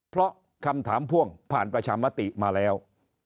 เพราะคำถามพ่วงผ่านประชามติมาแล้ว